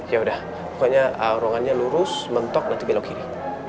yaudah pokoknya ruangannya lurus mentok nanti belok kiri